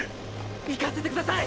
行かせてください！